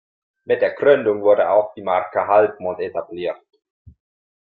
Mit der Gründung wurde auch die Marke „Halbmond“ etabliert.